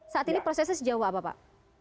saat ini prosesnya sejauh apa pak